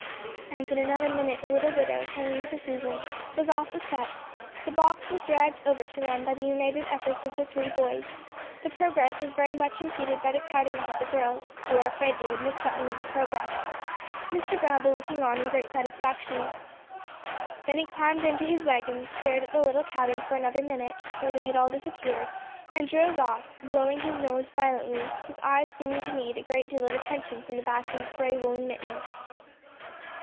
_" And in another minute the little widow, hanging to Susan, was off the steps, the box was dragged over them by the united efforts of the three boys, their progress very much impeded by the crowding up of the girls, who were afraid they would miss something of the progress, Mr. Bramble looking on in great satisfaction. Then he climbed into his wagon, stared at the little cabin for another minute, where they had all disappeared, and drove off, blowing his nose violently, his eyes seeming to need a great deal of attention from the back of his gray woollen mitten.